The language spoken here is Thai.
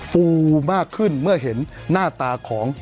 ฟูมากขึ้นเมื่อเห็นหน้าตาของ